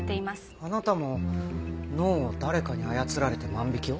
あなたも脳を誰かに操られて万引きを？